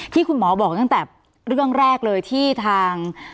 ที่คุณหมอบอกตั้งแต่เรื่องแรกเลยที่ทาง